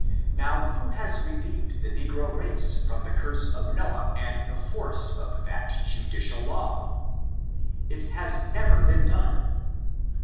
Now who has redeem* ed the negro race from the curse of Noah and the force of that judicial law? It has never been done.